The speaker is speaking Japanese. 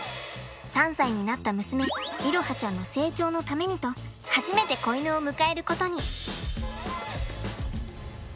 ３歳になった娘彩羽ちゃんの成長のためにと初めて子犬を迎えることに。